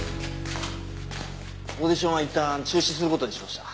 オーディションはいったん中止する事にしました。